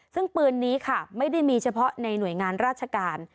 ซึ่งปืนนี้ค่ะไม่ได้มีเฉพาะในหน่วยงานราชการ